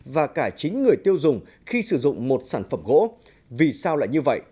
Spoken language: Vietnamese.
và cả chính người tiêu dùng khi sử dụng một sản phẩm gỗ vì sao lại như vậy